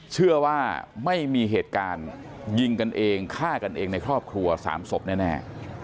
เชื่อว่าไม่มีเหตุการณ์ยิงกันเองฆ่ากันเองในครอบครัว๓ศพแน่